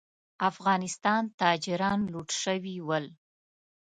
افغانستان تاجران لوټ شوي ول.